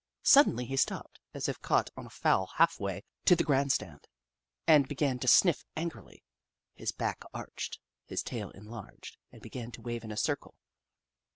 Suddenly he stopped, as if caught on a foul half way to the grand stand, and began to sniff angrily. His back arched, his tail enlarged, and began to wave in a circle.